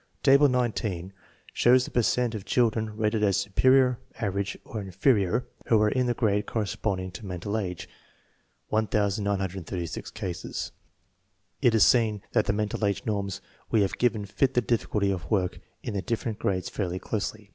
Table 19 shows the per cent of children rated as superior, average, or inferior who are in the grade cor responding to mental age (19S6 cases). It is seen that the mental age norms we have given fit the difficulty of work in the different grades fairly closely.